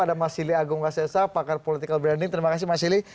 ada mas sili agung kasesa pakar political branding terima kasih mas silih